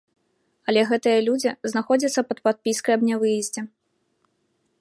Але гэтыя людзі знаходзяцца пад падпіскай аб нявыездзе.